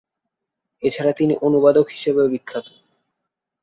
এছাড়া তিনি অনুবাদক হিসেবেও বিখ্যাত।